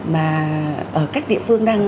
mà ở các địa phương đang